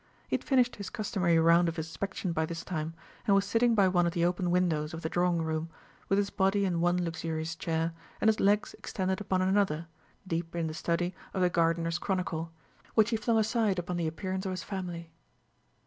He had finished his customary round of inspection by this time, and was sitting by one of the open windows of the drawing room, with his body in one luxurious chair, and his legs extended upon another, deep in the study of the Gardener's Chronicle, which he flung aside upon the appearance of his family.